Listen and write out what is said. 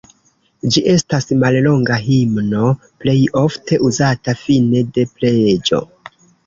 Ĝi estas mallonga himno, plej ofte uzata fine de preĝo.